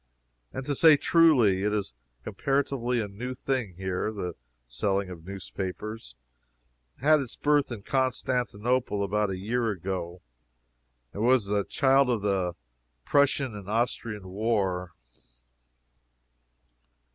And, to say truly, it is comparatively a new thing here. The selling of newspapers had its birth in Constantinople about a year ago, and was a child of the Prussian and Austrian war.